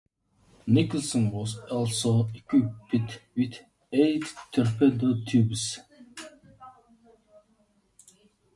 "Nicholson" was also equipped with eight torpedo tubes.